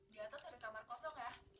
di atas ada kamar kosong ya